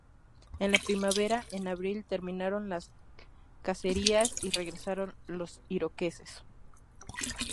En la primavera, en abril, terminaron las cacerías y regresaron los iroqueses.